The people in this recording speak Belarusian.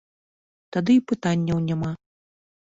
Тады і пытанняў няма.